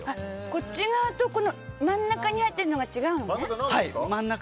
こっち側と真ん中に入ってるのが違うのね。